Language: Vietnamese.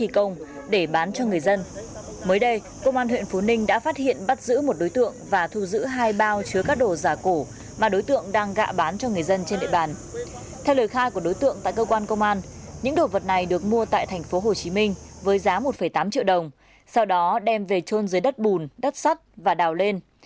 công an huyện phú ninh đã phát hiện bắt giữ một đối tượng và thu giữ hai bao chứa các đồ giả cổ mà đối tượng đang gạ bán cho người dân trên địa bàn